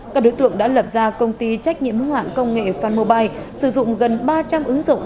các đối tượng đã lập ra công ty trách nhiệm hoãn công nghệ phan mobile sử dụng gần ba trăm linh ứng dụng